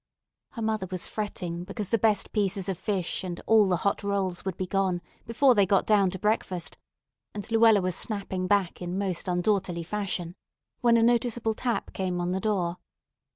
Her mother was fretting because the best pieces of fish and all the hot rolls would be gone before they got down to breakfast, and Luella was snapping back in most undaughterly fashion, when a noticeable tap came on the door.